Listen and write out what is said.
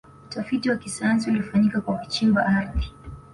utafiti wa kisayansi ulifanyika kwa kuchimba ardhi